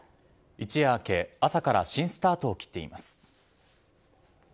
一夜明け、朝から新スタートを切っています。